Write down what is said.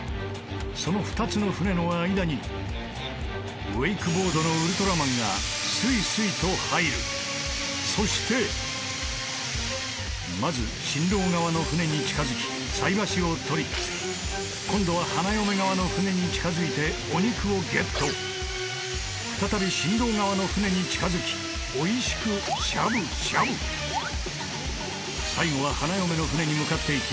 その２つの船の間にウェイクボードのウルトラマンがスイスイと入るそしてまず新郎側の船に近づきさい箸を取り今度は花嫁側の船に近づいてお肉をゲット再び新郎側の船に近づきおいしくしゃぶしゃぶ最後は花嫁の船に向かっていき